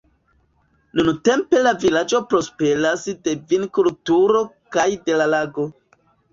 Nuntempe la vilaĝo prosperas de vinkulturo kaj de la lago.